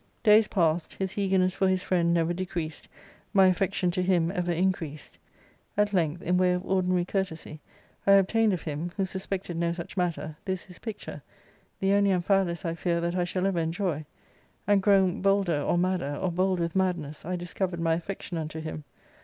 ." Days passed ; his eagerness for his friend never decreased ; my affection to him ever increased. At length, in way of ordinary courtesy, I obtained of him (who suspected no such matter) this his picture, the only Amphialus, I fear, that I shall ever enjoy ; and, grown bolder, or madder, or bold with madness, I discovered my affection unto him.